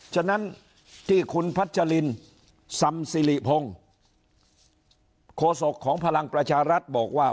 ฉะนั้นที่คุณพัชลินซำสิริพงศ์โคศกของพลังประชารัฐบอกว่า